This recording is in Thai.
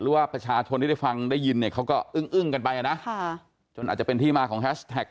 ว่าประชาชนที่ได้ฟังได้ยินเขาก็อึ้งกันไปอ่ะนะจะเป็นที่มาของแฮชแทก